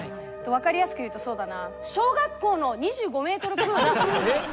分かりやすく言うとそうだな小学校の２５ｍプール。